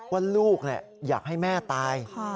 ว่าลูกอยากให้แม่ตาย